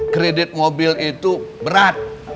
kredit mobil itu berat